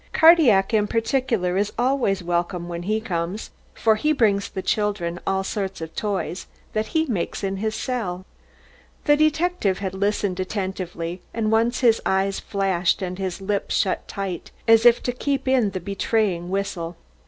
Cardillac in particular is always welcome when he comes, for he brings the children all sorts of toys that he makes in his cell." The detective had listened attentively and once his eyes flashed and his lips shut tight as if to keep in the betraying whistle.